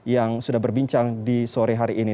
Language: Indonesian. yang sudah berbincang di sore hari ini